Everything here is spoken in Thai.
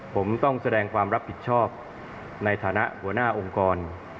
ผมต้องแสดงความรับผิดชอบในฐานะหัวหน้าองค์กร